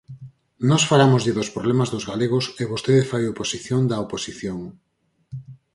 Nós falámoslle dos problemas dos galegos e vostede fai oposición da oposición.